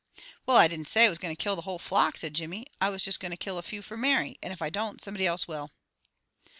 "Well, I didn't say I was going to kill the whole flock," said Jimmy. "I was just going to kill a few for Mary, and if I don't, somebody else will."